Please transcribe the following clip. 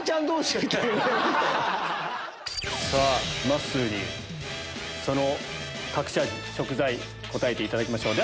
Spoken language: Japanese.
まっすーにその隠し味食材答えていただきましょう。